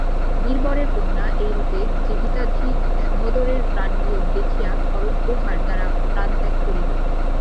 বীরবরের কন্যা এই রূপে জীবিতাধিক সহোদরের প্রাণবিয়োগ দেখিয়া খড়গপ্রহার দ্বারা প্রাণত্যাগ করিল।